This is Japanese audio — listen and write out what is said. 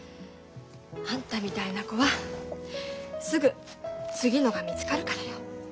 あんたみたいな子はすぐ次のが見つかるからよ。